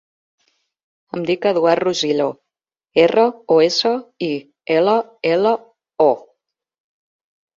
Em dic Eduard Rosillo: erra, o, essa, i, ela, ela, o.